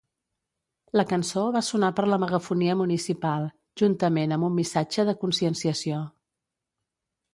La cançó va sonar per la megafonia municipal, juntament amb un missatge de conscienciació.